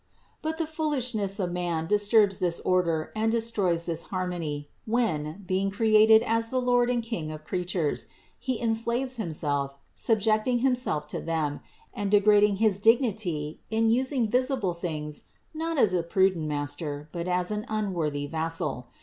25. But the foolishness of man disturbs this order and destroys this harmony, when, being created as the lord and king of creatures, he enslaves himself, subjecting himself to them, and degrading his dignity in using visi ble things not as a prudent master, but as an unworthy vassal.